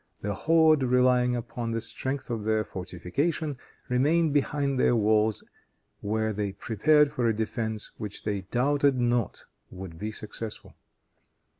The horde, relying upon the strength of their fortification, remained behind their walls, where they prepared for a defense which they doubted not would be successful.